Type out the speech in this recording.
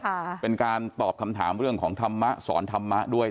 ค่ะเป็นการตอบคำถามเรื่องของธรรมะสอนธรรมะด้วย